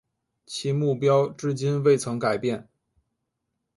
其目标至今未曾改变。